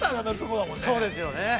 ◆そうですよね。